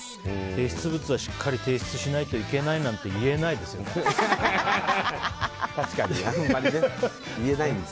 提出物はしっかり提出しないといけないなんて確かに、あんまり言えないです。